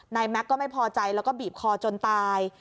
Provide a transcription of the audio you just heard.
แม็กซ์ก็ไม่พอใจแล้วก็บีบคอจนตาย